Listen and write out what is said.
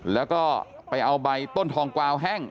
แล้วก็ไปเอาใบต้นทองกวาวแห้ง